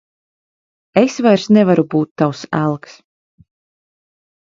Es vairs nevaru būt tavs elks.